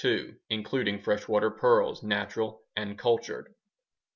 Including freshwater pearls natural, and cultured.